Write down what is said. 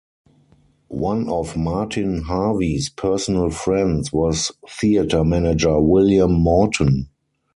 One of Martin Harvey's personal friends was theatre manager, William Morton.